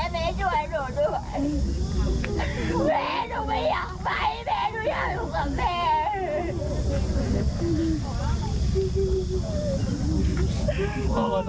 เม้หนูไม่อยากไปเม้หนูอยากอยู่กับเม